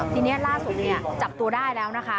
ทีนี้ล่าสุดจับตัวได้แล้วนะคะ